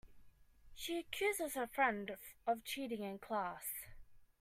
She accuses her friend of cheating in class.